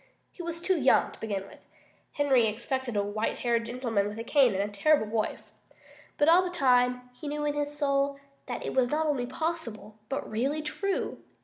He was too young, to begin with. Henry expected a white haired gentleman with a cane and a terrible voice. But all the time, he knew in his soul that it was not only possible, but really true.